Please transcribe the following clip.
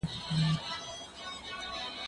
زه اوږده وخت د کتابتوننۍ سره مرسته کوم؟!